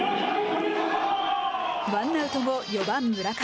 ワンアウト後、４番村上。